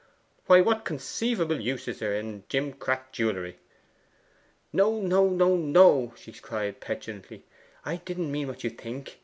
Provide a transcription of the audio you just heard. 'Why, what conceivable use is there in jimcrack jewellery?' 'No, no, no, no!' she cried petulantly; 'I didn't mean what you think.